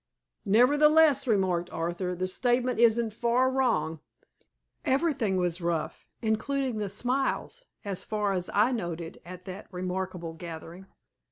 "Nevertheless," remarked Arthur, "the statement isn't far wrong. Everything was rough, including the smiles, as far as I noted that remarkable gathering."